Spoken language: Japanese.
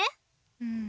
うん。